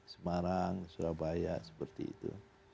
semarang surabaya seperti itu